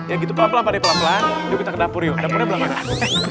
ya gitu pelan pelan pak deh pelan pelan yuk kita ke dapur yuk dapurnya pelan pelan